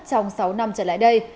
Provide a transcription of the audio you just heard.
trong sáu năm trở lại đây